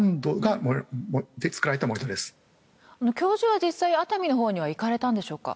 教授は実際熱海のほうには行かれたんでしょうか？